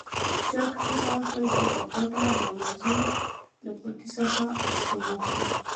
چرګ هڅه وکړه چې په پټه د وزې له پټي څخه يو څه وخوري.